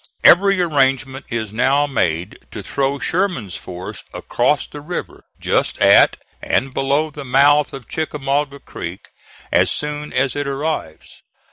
Every arrangement is now made to throw Sherman's force across the river, just at and below the mouth of Chickamauga Creek, as soon as it arrives.